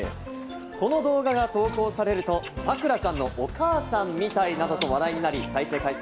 この動画が投稿されると、さくらちゃんのお母さんみたいなどと話題になり再生回数